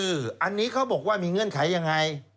อันนี้เขาบอกว่ามีเงื่อนไขยังไง